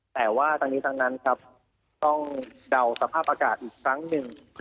แต่ว่าทั้งนี้ทั้งนั้นครับต้องเดาสภาพอากาศอีกครั้งหนึ่ง